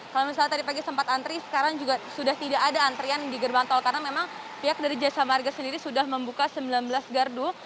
kalau misalnya tadi pagi sempat antri sekarang juga sudah tidak ada antrian di gerbang tol karena memang pihak dari jasa marga sendiri sudah membuka sembilan belas gardu